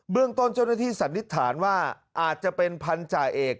เรื่องต้นเจ้าหน้าที่สันนิษฐานว่าอาจจะเป็นพันธาเอก